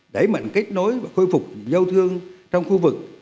đẩy mạnh kết nối và khôi phục giao thương trong khu vực